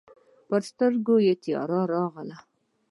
پر سترګو يې تياره راغله.